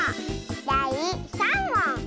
だい３もん！